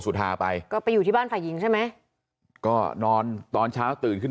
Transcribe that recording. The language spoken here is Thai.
ทาไปก็ไปอยู่ที่บ้านฝ่ายหญิงใช่ไหมก็นอนตอนเช้าตื่นขึ้น